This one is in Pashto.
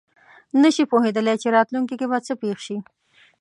نه شي پوهېدلی چې راتلونکې کې به څه پېښ شي.